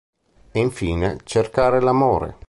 E infine, cercare l'amore.